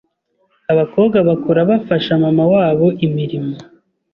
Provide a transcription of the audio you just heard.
Abakobwa bakura bafasha mama wabo imirimo